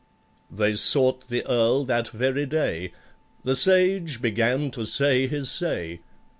They sought the Earl that very day; The Sage began to say his say.